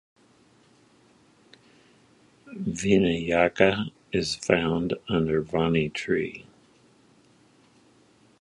Vinayaka is found under Vanni Tree.